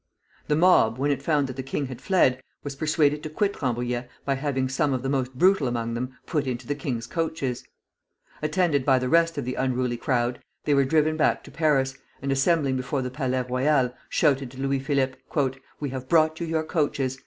The mob, when it found that the king had fled, was persuaded to quit Rambouillet by having some of the most brutal among them put into the king's coaches. Attended by the rest of the unruly crowd, they were driven back to Paris, and assembling before the Palais Royal, shouted to Louis Philippe: "We have brought you your coaches.